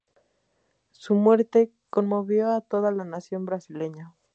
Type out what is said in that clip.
Su muerte conmovió a toda la nación brasileña.